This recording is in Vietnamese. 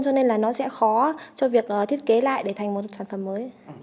cho nên là nó sẽ khó cho việc thiết kế lại để thành một sản phẩm mới